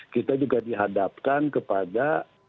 kita juga dihadapkan kepada